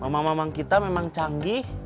mamamang kita memang canggih